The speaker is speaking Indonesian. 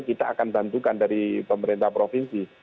kita akan bantukan dari pemerintah provinsi